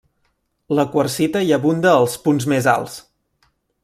La quarsita hi abunda als punts més alts.